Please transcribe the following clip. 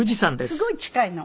すごい近いの。